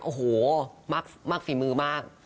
โอ้โหมากฝีมือมาก